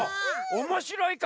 おもしろいかも！